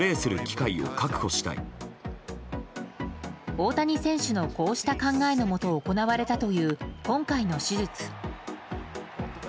大谷選手のこうした考えのもと行われたという今回の手術。